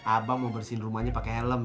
abang mau bersihin rumahnya pakai helm